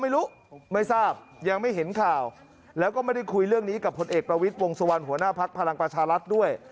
แล้วก็ไม่ได้คุยเรื่องนี้กับผลเอกประวิษฑ์วงสรวนหัวหน้าพักษ์พรังประชารักษณ์